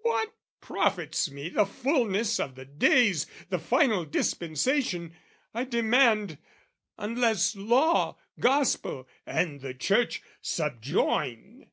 What profits me the fulness of the days, The final dispensation, I demand, Unless Law, Gospel, and the Church subjoin.